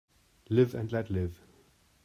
Live and let live